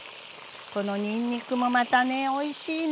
このにんにくもまたねおいしいの。